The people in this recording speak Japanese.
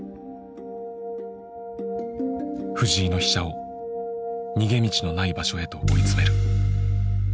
藤井の飛車を逃げ道のない場所へと追い詰める。